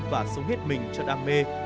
và sống hết mình cho đam mê